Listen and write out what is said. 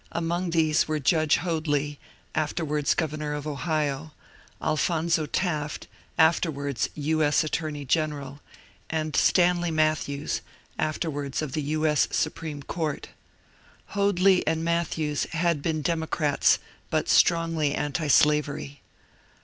Among these were Judge Hoadly, afterwards governor of Ohio; Alphonzo Taf t, afterwards U. S. attorney general ; and Stanley Mat thews, afterwards of the U. S. Supreme Court Hoadly and Matthews had been Democrats, but strongly antislavery.